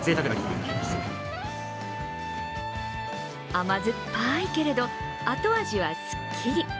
甘酸っぱいけれど後味はすっきり。